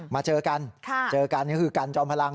มาเจอกันเจอกันก็คือกันจอมพลัง